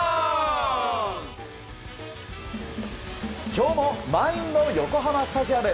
今日も満員の横浜スタジアム。